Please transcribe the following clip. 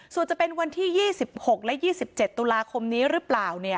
ส่วนจะเป็นวันที่๒๖และ๒๗ตุลาคมนี้หรือเปล่า